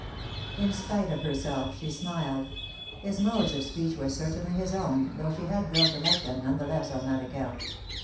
In spite of herself she smiled. His modes of speech were certainly his own, though she had grown to like them none the less on that account.